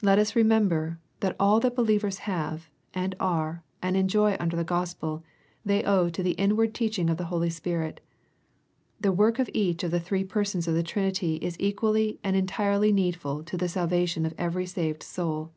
Let us remember, that all that believers have, and are, and enjoy under the Gospel, they owe to the inward teaching of the Holy Spirit. The work of each of the three Persons of the Trinity is equally and entirely needful to the salvation of every saved soul.